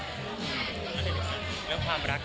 มันคิดว่าจะเป็นรายการหรือไม่มี